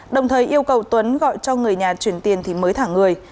đồng thời yêu cầu tuấn gọi cho người nhà chuyển tiền thì mới thả người